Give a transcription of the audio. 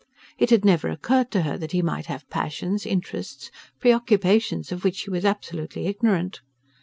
It had never occurred to her that he might have passions, interests, preoccupations of which she was absolutely ignorant.